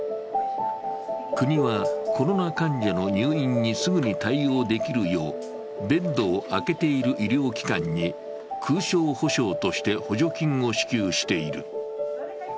国はコロナ患者の入院にすぐに対応できるようベッドを空けている医療機関に空床補償として補助金を支給している。